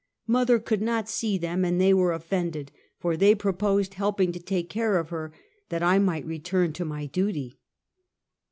Mother conld not see them, and they were offended, for they proposed helping to take care of her, that I miglit return to my duty.